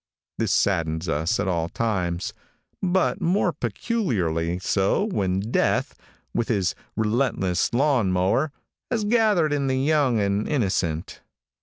This saddens us at all times, but more peculiarly so when Death, with his relentless lawn mower, has gathered in the young and innocent.